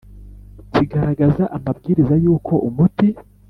kigaragaza amabwiriza y uko umuti